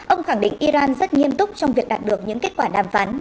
ông khẳng định iran rất nghiêm túc trong việc đạt được những kết quả đàm phán